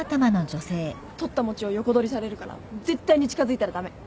取った餅を横取りされるから絶対に近づいたら駄目。